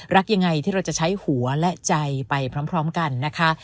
รักยังไงที่เราจะใช้หัวและใจไปพร้อมกันนะคะ